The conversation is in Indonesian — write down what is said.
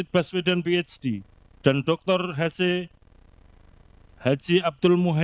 pasangan yang terasa adalah satu ratus enam puluh empat dua ratus dua puluh tujuh empat ratus tujuh puluh lima empat ratus tujuh puluh lima